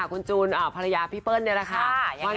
คุณจูนภรรยาพี่เปิ้ลนี่แหละค่ะ